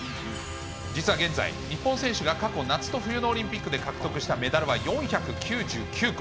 実は現在、日本選手が過去、夏と冬のオリンピックで獲得したメダルは４９９個。